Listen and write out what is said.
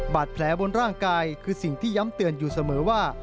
บาดแผลบนร่างกายคือสิ่งที่ย้ำเตือนอยู่เสมอว่า